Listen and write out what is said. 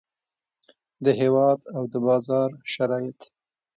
د هیواد او د بازار شرایط.